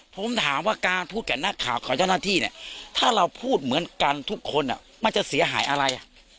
ผมถามว่าการพูดกับนักข่าวของเจ้าหน้าที่เนี่ยถ้าเราพูดเหมือนกันทุกคนมันจะเสียหายอะไร